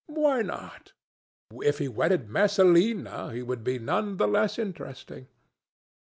Why not? If he wedded Messalina, he would be none the less interesting.